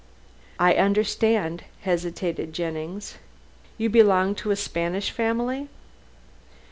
"I understand," hesitated Jennings, "you belong to a Spanish family?"